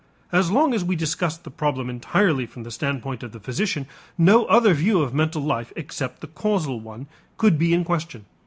As long as we discussed the problem entirely from the standpoint of the physician, no other view of mental life except the causal one could be in question.